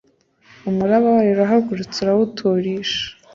Umuraba wayo uhagurutse urawut risha